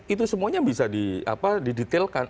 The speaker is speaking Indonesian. itu semuanya bisa didetilkan